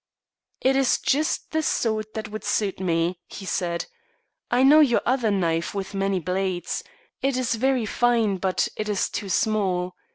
"It is just the sort that would suit me," he said. "I know your other knife with many blades. It is very fine, but it is too small.